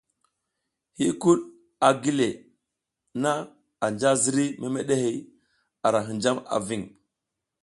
Hiykud a gi le na anja ziriy memeɗe hey a ra hinjam a ving.